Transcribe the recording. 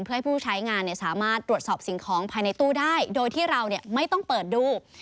เพื่อให้ผู้ใช้งานสามารถตรวจสอบสิ่งของภายในตู้ได้โดยที่เราไม่ต้องเปิดดู